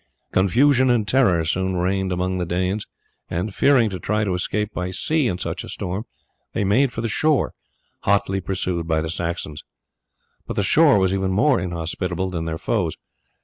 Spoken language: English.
Confusion and terror soon reigned among the Danes, and fearing to try to escape by sea in such a storm made for the shore, hotly pursued by the Saxons. But the shore was even more inhospitable than their foes.